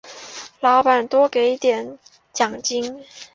老板多给的奖金